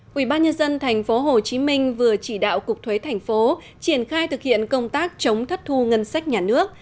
quỹ ban nhân dân tp hcm vừa chỉ đạo cục thuế tp triển khai thực hiện công tác chống thất thu ngân sách nhà nước